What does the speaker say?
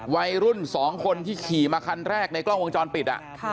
วัยรุ่น๒คนที่ขี่มาคันแรกในกล้องวงจรปิด